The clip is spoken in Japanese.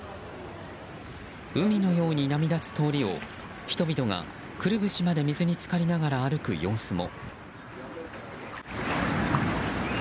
海のように波立つ通りを、人々がくるぶしまで水に浸かりながら歩く様子も。